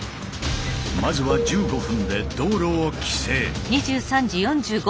まずは１５分で道路を規制。